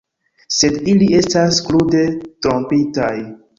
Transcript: Sed ili estas krude trompitaj.